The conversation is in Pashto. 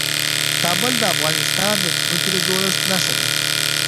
کابل د افغانستان د ځمکې د جوړښت نښه ده.